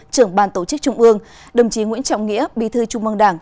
trưởng ban tổ chức trung ương đồng chí nguyễn trọng nghĩa bí thư trung mong đảng